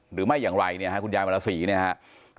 หรือไม่อย่างไรคุณยายวันละ๔นี่ครับ